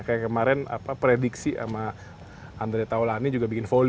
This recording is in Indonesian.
kayak kemarin prediksi sama andre taulany juga bikin volley